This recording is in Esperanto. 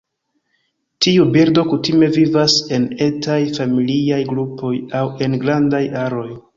Tiu birdo kutime vivas en etaj familiaj grupoj aŭ en grandaj aroj.